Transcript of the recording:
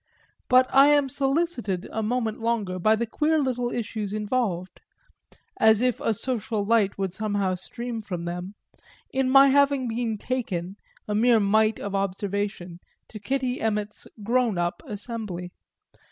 But I am solicited a moment longer by the queer little issues involved as if a social light would somehow stream from them in my having been taken, a mere mite of observation, to Kitty Emmet's "grown up" assembly.